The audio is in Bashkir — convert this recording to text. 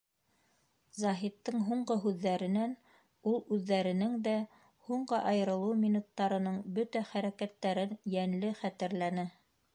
Заһиттың һуңғы һүҙҙәренән ул үҙҙәренең дә һуңғы айырылыу минуттарының бөтә хәрәкәттәрен йәнле хәтерләне.